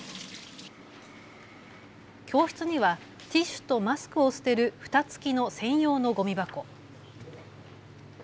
教室にはティッシュとマスクを捨てるふた付きの専用のごみ箱。